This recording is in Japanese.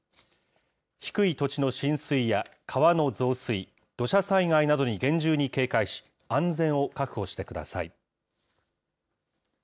低い土地の浸水や川の増水、土砂災害などに厳重に警戒し、安全を確保してください。